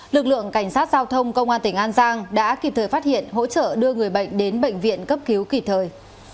lực lượng cảnh sát giao thông công an tỉnh an giang đã kịp thời phát hiện hỗ trợ đưa người bệnh đến bệnh viện cấp cứu kịp thời